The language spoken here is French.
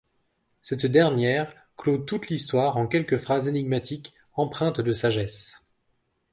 Cette dernière clôt toute l'histoire en quelques phrases énigmatiques empreintes de sagesse.